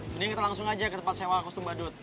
kemudian kita langsung aja ke tempat sewa kostum badut